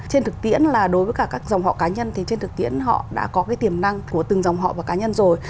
trên thực tiễn là đối với cả các dòng họ cá nhân thì trên thực tiễn họ đã có cái tiềm năng của từng dòng họ và cá nhân rồi